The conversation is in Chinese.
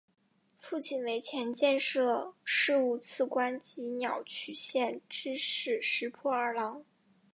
父亲为前建设事务次官及鸟取县知事石破二朗。